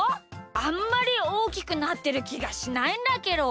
あんまりおおきくなってるきがしないんだけど。